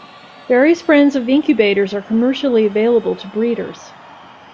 Various brands of incubators are commercially available to breeders.